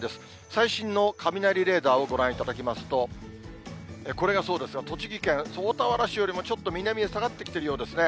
最新の雷レーダーをご覧いただきますと、これがそうですが、栃木県大田原市よりもちょっと南へ下がってきているようですね。